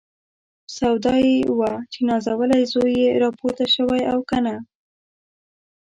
سودا یې وه چې نازولی زوی یې راپورته شوی او که نه.